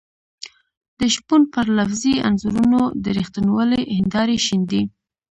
د شپون پر لفظي انځورونو د رښتینولۍ هېندارې شيندي.